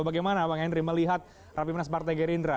bagaimana bang henry melihat raffi mnas partai gerindra